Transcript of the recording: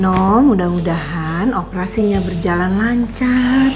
nong mudah mudahan operasinya berjalan lancar